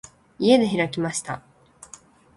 家で開きました。